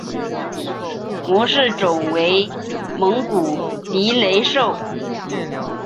模式种为蒙古鼻雷兽。